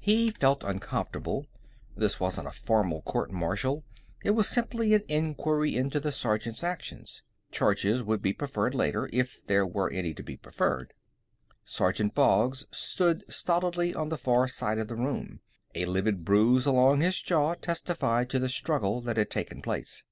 He felt uncomfortable. This wasn't a formal court martial; it was simply an inquiry into the sergeant's actions. Charges would be preferred later, if there were any to be preferred. Sergeant Boggs stood stolidly on the far side of the room. A livid bruise along his jaw testified to the struggle that had taken place.